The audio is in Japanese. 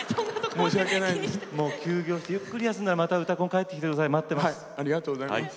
休業してゆっくり休んだらまた「うたコン」に帰ってきてください待っています。